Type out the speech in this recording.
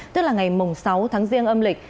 tức là ngày mùng sáu tháng riêng âm lịch